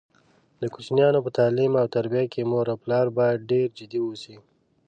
د کوچینیانو په تعلیم او تربیه کې مور او پلار باید ډېر جدي اوسي.